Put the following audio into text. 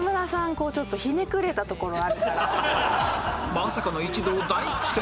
まさかの一同大苦戦？